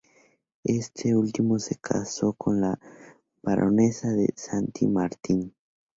Este último se casó con la baronesa de Saint-Martin.